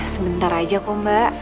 sebentar aja kok mbak